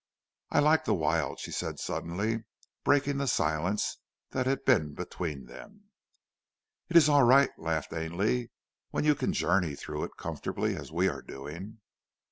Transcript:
"I like the Wild," she said suddenly, breaking the silence that had been between them. "It is all right," laughed Ainley, "when you can journey through it comfortably as we are doing."